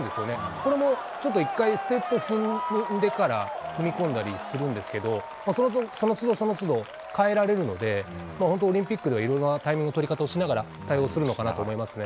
これも１回ステップを踏んでから踏み込んだりするんですけどその都度、その都度変えられるのでオリンピックではいろいろなタイミングの取り方をしながら対応するのかなと思いますね。